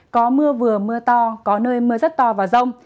có mưa vừa mưa to có nơi mưa rất to và rông